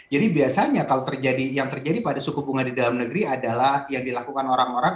jadi biasanya kalau terjadi yang terjadi pada suku bunga di dalam negeri adalah yang dilakukan orang orang